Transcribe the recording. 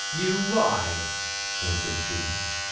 'You lie!' answered she.